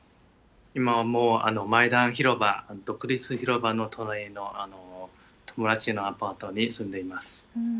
今はもう、広場、独立広場の隣の友達のアパートに住んでいます。